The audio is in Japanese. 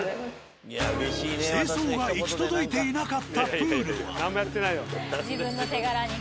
清掃が行き届いていなかったプールは。